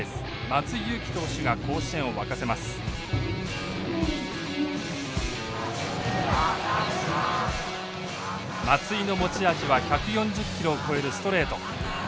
松井の持ち味は１４０キロを超えるストレート。